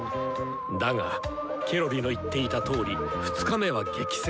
だがケロリの言っていたとおり２日目は激戦！